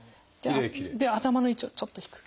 で頭の位置をちょっと引く。